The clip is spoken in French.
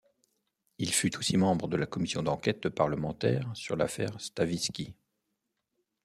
Il fut aussi membre de la commission d'enquête parlementaire sur l'affaire Stavisky.